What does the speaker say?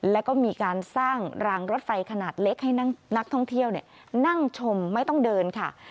แล้วก็มีการสร้างรางรถไฟขนาดเล็กให้นักท่องเที่ยวนั่งชมไม่ต้องเดินค่ะ